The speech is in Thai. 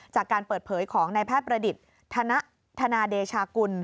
จากการเปิดเผยของนายแพทย์ประดิษฐ์ธนธนาเดชากุล